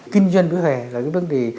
kinh doanh vẻ hẻ là cái vấn đề